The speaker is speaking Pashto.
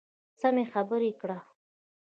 سمې خبرې کړه .